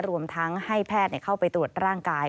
รวมทั้งให้แพทย์เข้าไปตรวจร่างกาย